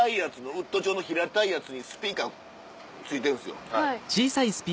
ウッド調の平たいやつにスピーカー付いてるんですよ。